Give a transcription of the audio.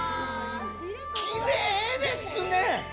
きれいですね！